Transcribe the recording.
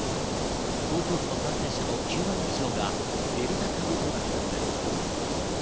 東京都の感染者の９割以上がデルタ株となったのです。